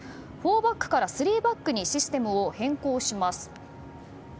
４バックから３バックにシステムを変更します。